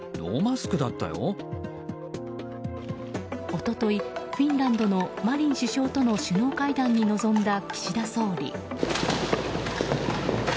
一昨日、フィンランドのマリン首相との首脳会談に臨んだ岸田総理。